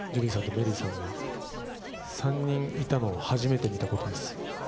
メリーさんが３人いたのを初めて見たことです。